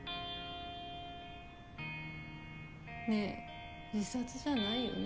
ねえ自殺じゃないよね。